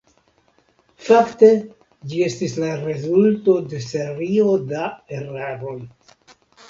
Fakte ĝi estis la rezulto de serio da eraroj.